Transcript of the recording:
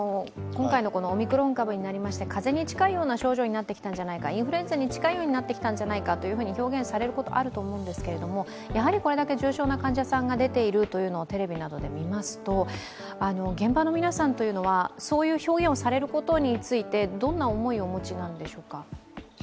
今回のオミクロン株になりまして風邪に近いような症状になってきたんじゃないか、インフルエンザに近いようになってきたのではないかと表現されることがありますがやはりこれだけ重症な患者さんが出ているのをテレビなどで見ますと、現場の皆さんというのはそういう表現をされることについて、どんな思いをお持ちなんでしょうか？